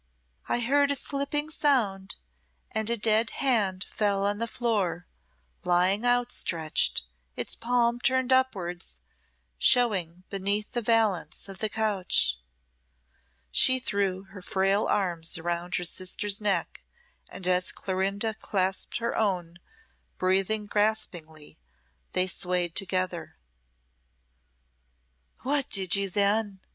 "I heard a slipping sound, and a dead hand fell on the floor lying outstretched, its palm turned upwards, showing beneath the valance of the couch." She threw her frail arms round her sister's neck, and as Clorinda clasped her own, breathing gaspingly, they swayed together. "What did you then?"